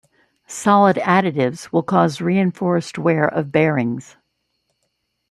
Solid additives will cause reinforced wear of bearings.